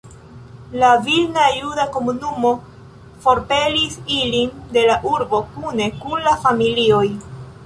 La vilna juda komunumo forpelis ilin de la urbo kune kun la familioj.